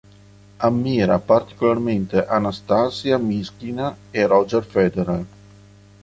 Ammira particolarmente Anastasija Myskina e Roger Federer.